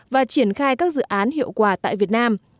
và triển khai các dự án hiệu quả tại việt nam